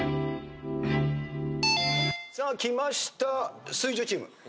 さあきました水１０チーム。